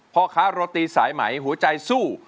พ่อค้าโรตีสายไหมหัวใจสู้